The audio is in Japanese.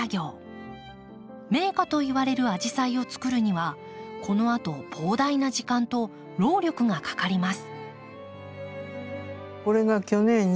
名花といわれるアジサイをつくるにはこのあと膨大な時間と労力がかかります。